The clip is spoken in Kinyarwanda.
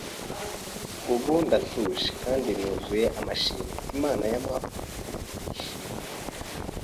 ubu ndatuje kandi nuzuye amashimwe, Imana y’amahoro ishimwe